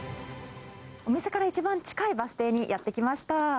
お店から一番近いバス停にやって来ました。